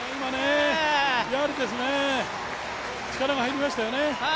やはり力が入りましたよね。